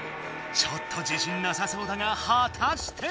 ちょっと自信なさそうだがはたして。